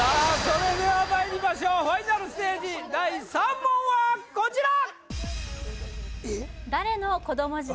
それではまいりましょうファイナルステージ第３問はこちら！